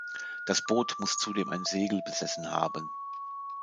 Das Boot muss zudem ein Segel besessen haben.